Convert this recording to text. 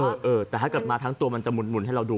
เออแต่ถ้าเกิดมาทั้งตัวมันจะหมุนให้เราดู